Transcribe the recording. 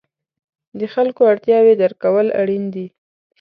د خلکو اړتیاوې درک کول اړین دي.